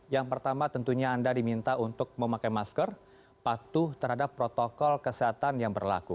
yang pertama tentunya anda diminta untuk memakai masker patuh terhadap protokol kesehatan yang berlaku